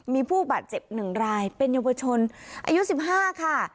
มีผู้บาดเจ็บ๑รายเป็นเยาวชนอายุ๑๕ค่ะ